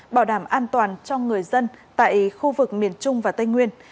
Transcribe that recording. bảo đảm an toàn cho người dân tại khu vực miền trung và tây nguyên